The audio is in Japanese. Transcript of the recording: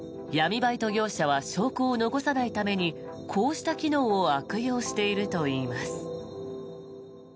バイト業者は証拠を残さないためにこうした機能を悪用しているといいます。